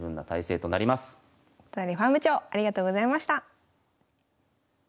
都成ファーム長ありがとうございました。